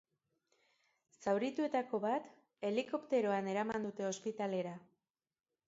Zaurituetako bat helikopteroan eraman dute ospitalera.